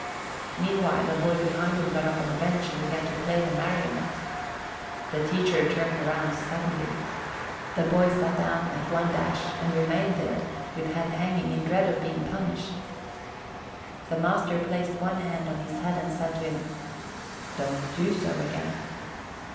Mean while, a boy behind him got up on the bench, and began to play the marionette. The teacher turned round sud denly; the boy sat down at one dash, and remained there, with head hanging, in dread of being punished. AN ACCIDENT 5 The master placed one hand on his head and said to him: "Don't do so again."